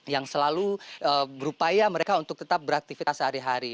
yang selalu berupaya mereka untuk tetap beraktivitas sehari hari